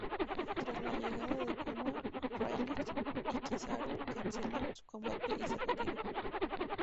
Tras la llegada de Kuma, Rayleigh y Kizaru cancelan su combate y se retiran.